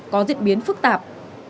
có diễn biến phức tạp